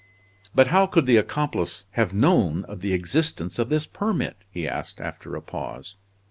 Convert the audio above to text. "But how could the accomplice have known of the existence of this permit?" he asked after a pause.